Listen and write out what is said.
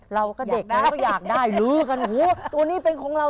เราก็เด็กกันก็อยากได้หลือกันโหตัวนี้เป็นของเรา